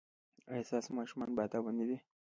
ایا ستاسو ماشومان باادبه نه دي؟